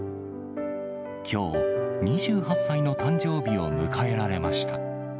きょう、２８歳の誕生日を迎えられました。